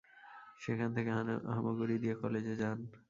সেখান থেকে হামাগুড়ি দিয়ে কলেজে যান।